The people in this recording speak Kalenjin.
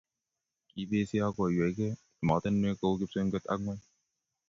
kibesyo akuywei gei emotinwek kou kipsengwet ak ng'weny.